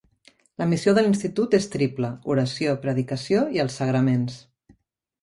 La missió de l'institut és triple: oració, predicació i els sagraments.